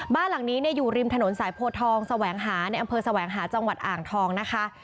บ้านหลังนี้อยู่ริมถนนสายโพทองแสวงหาในอำเภอแสวงหาจังหวัดอ่างทองนะคะ